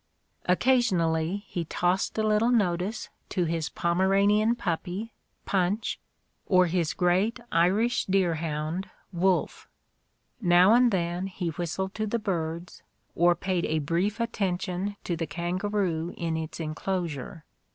Occasionally he tossed a little notice to his Pomeranian puppy Punchy or his great Irish deerhound Wolf: now and then he whistled to the birds, or paid a brief attention to the kangaroo in its enclosure.